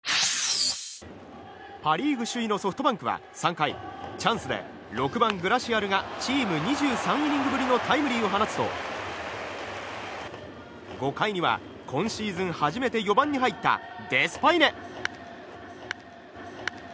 パ・リーグ首位のソフトバンクは３回、チャンスで６番、グラシアルがチーム２３イニングぶりのタイムリーを放つと５回には今シーズン初めて４番に入ったデスパイネ。